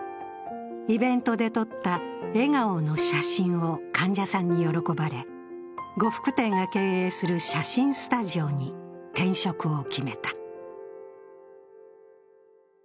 イベントで撮った笑顔の写真を患者さんに喜ばれ呉服店が経営する写真スタジオに転職を決めた。